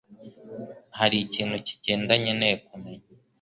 Hari ikintu kigenda nkeneye kumenya?